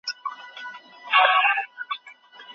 که نظم رانه سي، ګډوډي به زیاته سي.